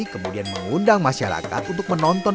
kemudian mengundang masyarakat untuk menonton